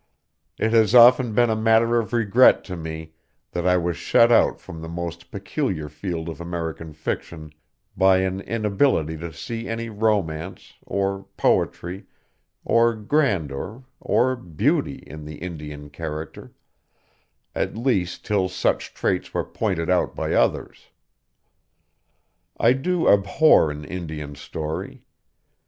It has often been a matter of regret to me that I was shut out from the most peculiar field of American fiction by an inability to see any romance, or poetry, or grandeur, or beauty in the Indian character, at least till such traits were pointed out by others. I do abhor an Indian story.